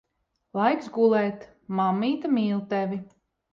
Laiks gulēt. Mammīte mīl tevi.